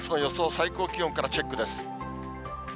最高気温からチェックです。